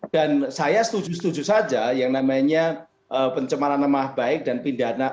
dan saya setuju setuju saja yang namanya pencemaran nama baik dan pindana